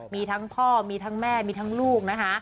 มีทั้งพ่อมีทั้งแม่มีทั้งลูกนะคะ